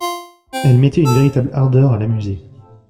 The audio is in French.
Elle mettait une véritable ardeur à l'amuser.